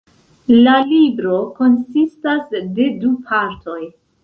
La libro konsistas de du partoj.